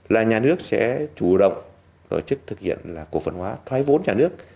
là nhà nước sẽ chủ động tổ chức thực hiện là cổ phần hóa thoái vốn nhà nước